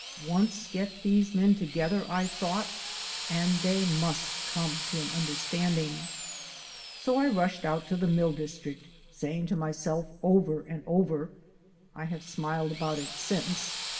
"Once get these men together," I thought, "and they MUST come to an understanding." So I rushed out to the mill district, saying to myself over and over (I have smiled about it since!)